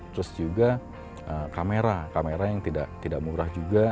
terus juga kamera kamera yang tidak murah juga